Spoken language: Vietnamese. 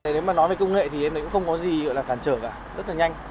nếu mà nói về công nghệ thì em cũng không có gì gọi là cản trở cả rất là nhanh